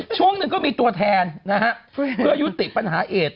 ช่วงหนึ่งก็มีตัวแทนนะฮะเพื่อยุติปัญหาเอด